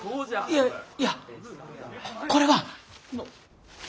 いやいやこれは。